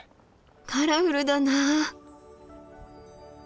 カラフルだなあ。